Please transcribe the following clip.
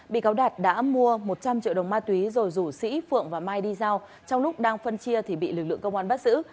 bị cáo đạt đã mua một trăm linh triệu đồng ma túy rồi rủ sĩ phượng và mai đi giao trong lúc đang phân chia thì bị lực lượng công an bắt giữ